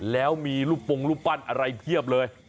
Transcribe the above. แล้วมีรูปปงรูปปั้นอะไรเพียบเลย